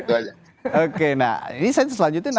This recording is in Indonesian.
oke nah ini selanjutnya